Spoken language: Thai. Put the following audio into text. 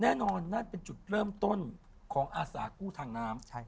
แน่นอนนั่นเป็นจุดเริ่มต้นของอาสากู้ทางน้ำ